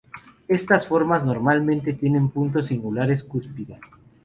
Estas formas normalmente tienen puntos singulares cúspide.